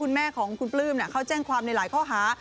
คุณแม่ของคุณปลื้มเขาแจ้งความในหลายข้อหา